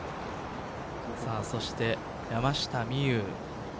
そして山下美夢有。